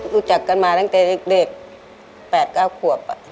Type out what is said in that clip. รู้จักกันมาตั้งแต่เด็ก๘๙ขวบ